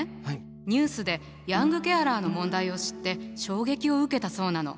ニュースでヤングケアラーの問題を知って衝撃を受けたそうなの。